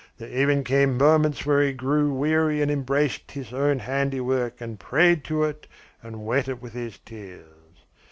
There even came moments when he grew weary and embraced his own handiwork and prayed to it and wet it with his tears.